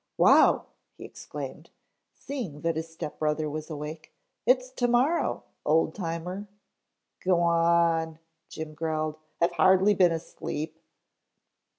"Wow," he exclaimed, seeing that his step brother was awake, "it's tomorrow, Old Timer." "G'wan," Jim growled. "I've hardly been asleep."